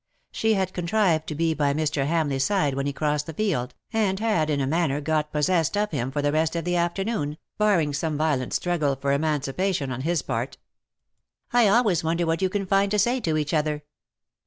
She had contrived to be by Mr. Hamleigh's side when he crossed the field, and had in a manner got possessed of him for the rest of the afternoon, barring some violent struggle for emancipation on his part. '^ I always wonder what you can find to say to each other.''